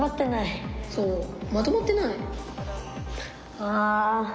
ああ。